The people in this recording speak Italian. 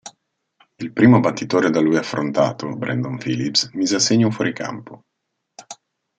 Il primo battitore da lui affrontato, Brandon Phillips, mise a segno un fuoricampo.